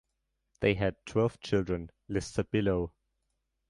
They had twelve children, listed below.